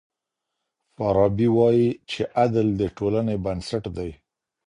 فارابي وايي چي عدل د ټولني بنسټ دی.